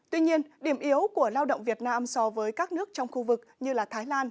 tuy nhiên điểm yếu của lao động việt nam so với các nước trong khu vực như thái lan